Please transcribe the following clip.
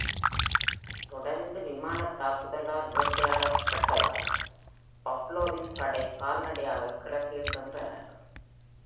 தொடர்ந்து விமான தாக்குதலால வேட்டையாடப்பட்டதால், பவ்லோவின் படை கால்நடையாக கிழக்கே சென்றனர்.